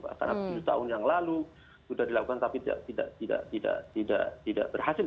karena tujuh tahun yang lalu sudah dilakukan tapi tidak berhasil